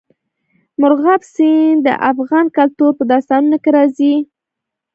مورغاب سیند د افغان کلتور په داستانونو کې راځي.